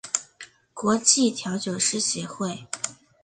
国际调酒师协会